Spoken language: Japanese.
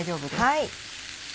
はい。